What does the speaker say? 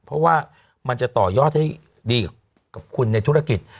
เพราะว่ามันจะต่อยอดให้ดีกับคุณในธุรกิจ